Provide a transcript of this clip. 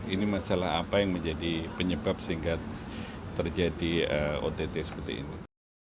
ini masalah apa yang menjadi penyebab sehingga terjadi ott seperti ini